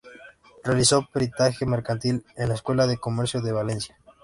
Realizó Peritaje Mercantil en la Escuela de Comercio de Valencia.